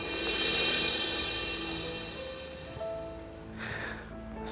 ya sudah lupa ya